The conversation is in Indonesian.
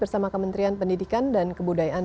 bersama kementerian pendidikan dan kebudayaan